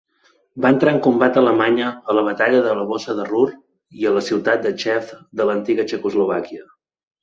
Va entrar en combat a Alemanya, a la batalla de la "Bossa del Ruhr", i a la ciutat de Cheb de l'antiga Txecoslovàquia.